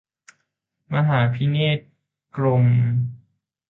มหาภิเนษกรมณ์